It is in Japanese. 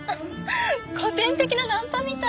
古典的なナンパみたい。